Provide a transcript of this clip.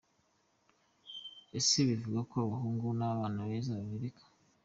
Ese bivuga ko abahungu b'abana beza babireka?.